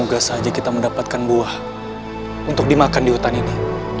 semoga saja kita mendapatkan buah untuk dimakan di hutan ini